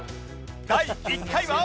第１回は